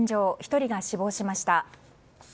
１人が死亡しました。